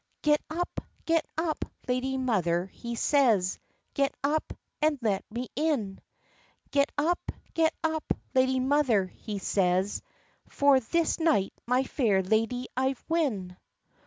"Get up, get up, lady mother," he says, "Get up, and let me in!— Get up, get up, lady mother," he says, "For this night my fair ladye I've win.